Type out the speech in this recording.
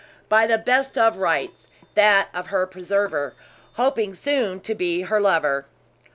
"By the best of rights that of her preserver, hoping soon to be her lover."